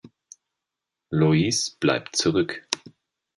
Lois bleibt zurück.